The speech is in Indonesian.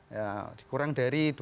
ya dikurang dari dua puluh tujuh